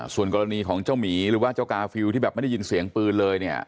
ส่วนกรณีของเจ้าหมีหรือว่าเจ้ากาฟิลที่แบบไม่ได้ยินเสียงปืนเลยเนี่ย